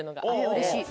うれしい。